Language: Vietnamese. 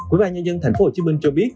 ủy ban nhân dân tp hcm cho biết